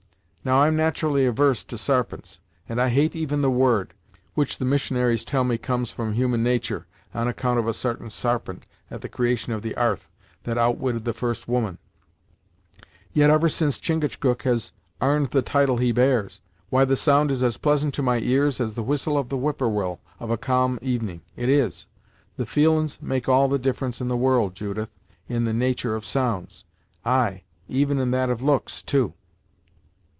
Now, I'm nat'rally avarse to sarpents, and I hate even the word, which, the missionaries tell me, comes from human natur', on account of a sartain sarpent at the creation of the 'arth, that outwitted the first woman; yet, ever since Chingachgook has 'arned the title he bears, why the sound is as pleasant to my ears as the whistle of the whippoorwill of a calm evening it is. The feelin's make all the difference in the world, Judith, in the natur' of sounds; ay, even in that of looks, too."